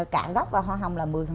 cả gốc và hoa hồng là một mươi